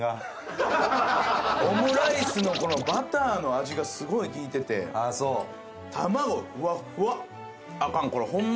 オムライスのこのバターの味がすごいきいててああそう卵ふわっふわアカン